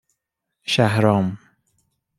شهرام